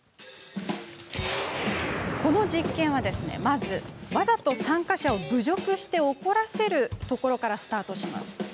この実験はまず、わざと参加者を侮辱して怒らせるところからスタート。